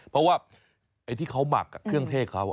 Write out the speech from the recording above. เพราะว่าไอ้ที่เขาหมักเครื่องเทศเขา